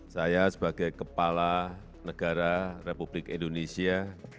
saya sebagai kepala negara republik indonesia